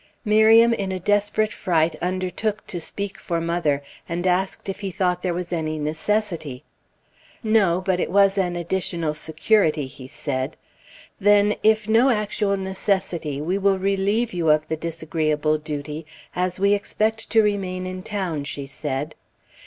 Miriam in a desperate fright undertook to speak for mother, and asked if he thought there was any necessity. No, but it was an additional security, he said. "Then, if no actual necessity, we will relieve you of the disagreeable duty, as we expect to remain in town," she said.